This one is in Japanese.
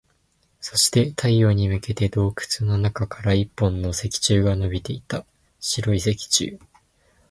そして、太陽に向けて洞窟の中から一本の石柱が伸びていた。白い石柱。